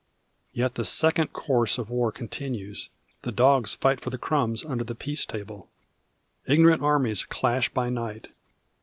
Yet the second course of war continues. The dogs fight for the crumbs under the peace table. Ignorant armies clash by night.